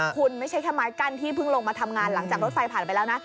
คุณไม่ใช่แค่ไม้กั้นที่เพิ่งลงมาทำงานหลังจากรถไฟผ่านไปแล้วนะ